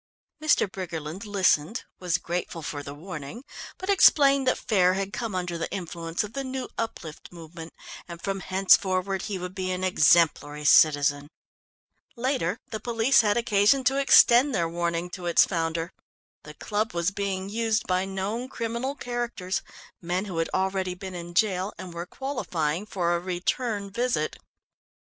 Mr. Briggerland listened, was grateful for the warning, but explained that Faire had come under the influence of the new uplift movement, and from henceforward he would be an exemplary citizen. Later, the police had occasion to extend their warning to its founder. The club was being used by known criminal characters; men who had already been in jail and were qualifying for a return visit.